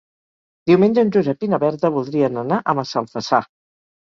Diumenge en Josep i na Berta voldrien anar a Massalfassar.